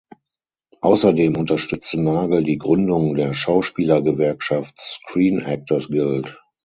Außerdem unterstützte Nagel die Gründung der Schauspielergewerkschaft Screen Actors Guild.